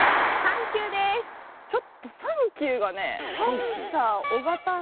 ちょっと「サンキュー」がね。